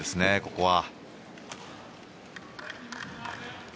ここは。